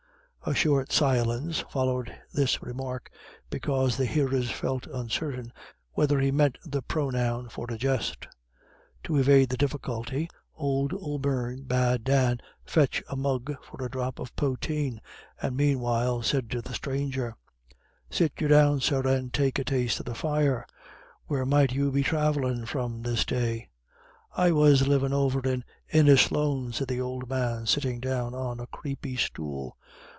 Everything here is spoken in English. A short silence followed this remark, because the hearers felt uncertain whether he meant the pronoun for a jest. To evade the difficulty, old O'Beirne bade Dan fetch a mug for a drop of poteen, and meanwhile said to the stranger: "Sit you down, sir, and take a taste of the fire. Where might you be thravellin' from this day?" "I was livin' over at Innislone," said the old man, sitting down on a creepy stool.